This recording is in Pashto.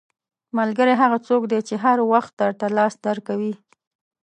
• ملګری هغه څوک دی چې هر وخت درته لاس درکوي.